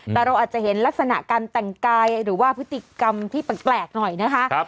แต่เราอาจจะเห็นลักษณะการแต่งกายหรือว่าพฤติกรรมที่แปลกหน่อยนะคะ